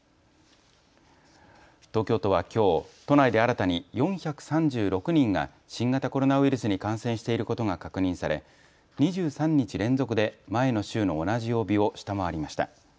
東京都はきょう都内で新たに４３６人が新型コロナウイルスに感染していることが確認され２３日連続で前の週の同じ曜日を下回りました。